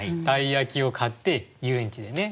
鯛焼を買って遊園地でね。